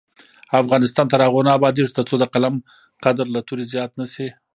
افغانستان تر هغو نه ابادیږي، ترڅو د قلم قدر له تورې زیات نه شي.